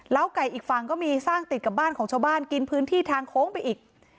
ไก่อีกฝั่งก็มีสร้างติดกับบ้านของชาวบ้านกินพื้นที่ทางโค้งไปอีก